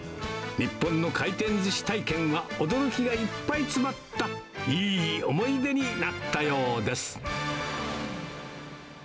日本の回転ずし体験は、驚きがいっぱい詰まった、いい思い出になったようです。